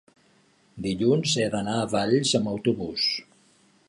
dilluns he d'anar a Valls amb autobús.